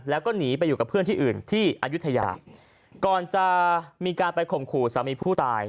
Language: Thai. แล้วก็หนีไปอยู่กับเพื่อนที่อื่นที่อายุทยาก่อนจะมีการไปข่มขู่สามีผู้ตาย